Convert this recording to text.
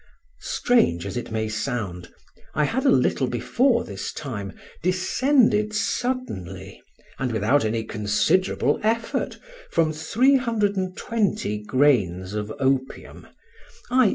Strange as it may sound, I had a little before this time descended suddenly, and without any considerable effort, from 320 grains of opium (_i.